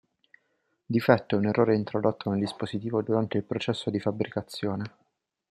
Difetto è un errore introdotto nel dispositivo durante il processo di fabbricazione.